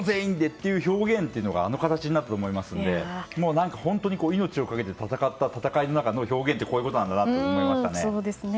という表現があの形になったと思いますので命を懸け戦った中での表現ってこういうことなんだなと思いましたね。